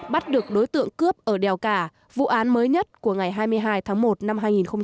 bắt được đối tượng cướp ở đèo cả vụ án mới nhất của ngày hai mươi hai tháng một năm hai nghìn hai mươi